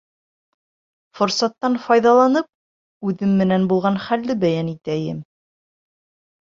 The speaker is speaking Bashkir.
Форсаттан файҙаланып, үҙем менән булған хәлде бәйән итәйем.